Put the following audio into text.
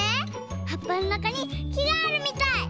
はっぱのなかにきがあるみたい。